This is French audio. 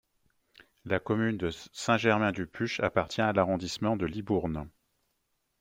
La commune de Saint-Germain-du-Puch appartient à l'arrondissement de Libourne.